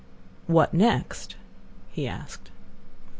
"What next?" he asked.